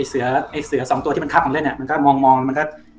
เสือไอ้เสือสองตัวที่มันทับกันเล่นอ่ะมันก็มองแล้วมันก็